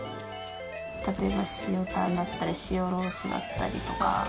例えば塩タンだったり、塩ロースだったりとか。